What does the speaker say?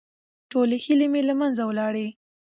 ټولې هيلې مې له منځه ولاړې.